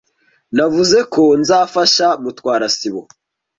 Navuze ko nzafasha Mutwara sibo.